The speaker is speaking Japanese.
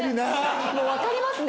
もうわかりますね。